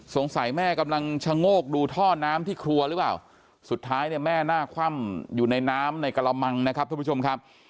สงสัยแม่กำลังชะโงกดูท่อน้ำที่ครัวหรือเปล่าสุดท้ายเนี่ยแม่หน้าคว่ำอยู่ในน้ำในกระมังนะครับทุกผู้ชมครับ